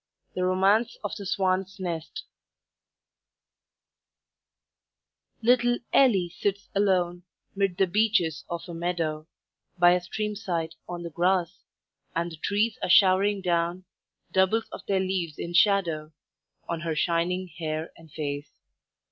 THE ROMANCE OF THE SWAN'S NEST Little Ellie sits alone 'Mid the beeches of a meadow, By a stream side on the grass, And the trees are showering down Doubles of their leaves in shadow, On her shining hair and face.